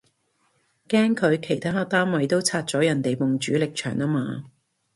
驚佢其他單位都拆咗人哋埲主力牆吖嘛